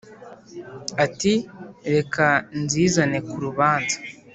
Ati: "Reka nsizane ku rubanza,